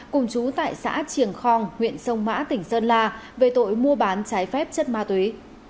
cùng chú tại xã triềng khong huyện sông mã tỉnh sơn la về tội mua bán trái phép chất ma túy